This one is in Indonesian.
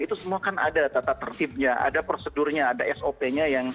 itu semua kan ada tata tertibnya ada prosedurnya ada sop nya yang